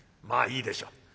まあいいでしょう。